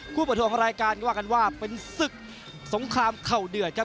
ประทวงรายการก็ว่ากันว่าเป็นศึกสงครามเข่าเดือดครับ